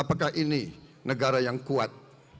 apakah ini negara yang kuat